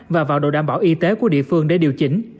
và vào độ đảm bảo y tế của địa phương để điều chỉnh